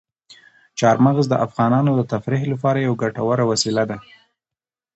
چار مغز د افغانانو د تفریح لپاره یوه ګټوره وسیله ده.